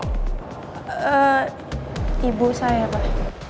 eee ibu saya pak